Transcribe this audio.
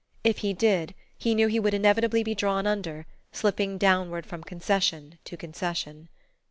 If he did, he knew he would inevitably be drawn under, slipping downward from concession to concession....